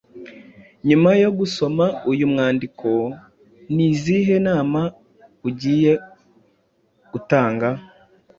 Nyuma yo gusoma uyu mwandiko ni izihe nama ugiye gutanga